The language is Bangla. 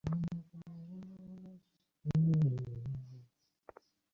ঠিকমত শ্বাস নিতে পারে না।